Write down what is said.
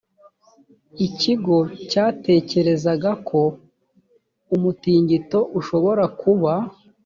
ikigo cyatekereza ko umutingito ushobora kuba .